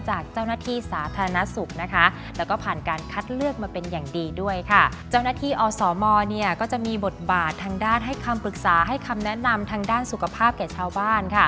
ให้คำแนะนำทางด้านสุขภาพแก่ชาวบ้าน